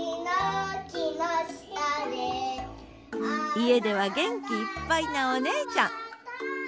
家では元気いっぱいなお姉ちゃん！